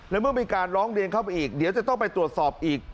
แล้วเมื่อมีการร้องเรียนเข้าไปอีกเดี๋ยวจะต้องไปตรวจสอบอีก